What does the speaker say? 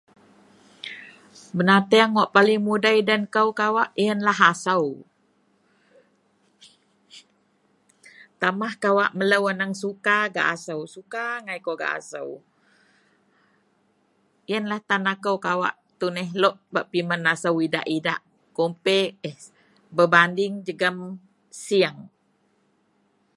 banateng wak paling mudei den kou kawak ienlah asou, tambah kawak melou anang suka gak asou, suka agai kawak gak asou, ienlah tan akou kawak tuneh lok bak pimen asou idak-idak, compare eh berbanding jegum sieng